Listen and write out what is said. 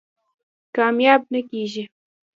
کامیاب نه کېږي.